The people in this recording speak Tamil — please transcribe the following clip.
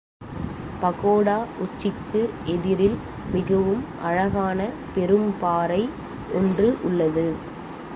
பகோடா உச்சிக்கு எதிரில் மிகவும் அழகான பெரும்பாறை ஒன்று உள்ளது.